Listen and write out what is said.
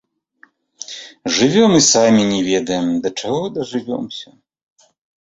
Жывём і самі не ведаем, да чаго дажывёмся.